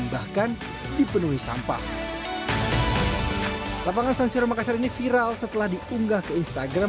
bahkan dipenuhi sampah lapangan stasiun makassar ini viral setelah diunggah ke instagram